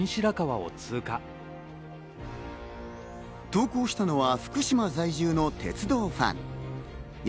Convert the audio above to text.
投稿したのは福島在住の鉄道ファン。